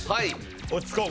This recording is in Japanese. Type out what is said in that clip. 落ち着こう